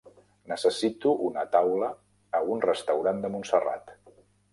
Necessito una taula a un restaurant de Montserrat.